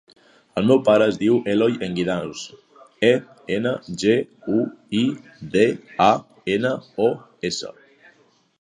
El meu pare es diu Eloy Enguidanos: e, ena, ge, u, i, de, a, ena, o, essa.